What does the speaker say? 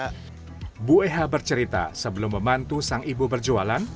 ibu eha bercerita sebelum membantu sang ibu berjualan